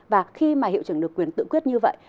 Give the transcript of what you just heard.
và khi mà hiệu trưởng được quyền tự quyết như vậy